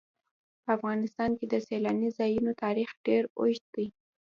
په افغانستان کې د سیلاني ځایونو تاریخ ډېر اوږد دی.